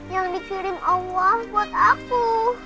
yang dikirim allah buat aku